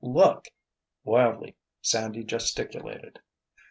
Look——" Wildly Sandy gesticulated.